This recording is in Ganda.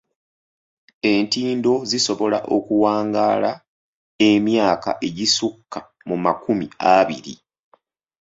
Entindo zisobola okuwangaala emyaka egisukka mu makumi abiri.